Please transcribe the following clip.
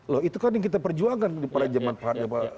loh itu kan yang kita perjuangkan pada zaman pak